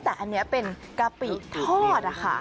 แต่อันนี้เป็นกะปิทอดค่ะ